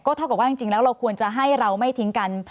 เท่ากับว่าจริงแล้วเราควรจะให้เราไม่ทิ้งกัน